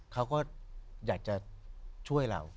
เขาก็อยากจะช่วยเรา